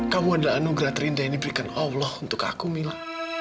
kamu adalah anugerah terindah yang diberikan allah untuk aku mila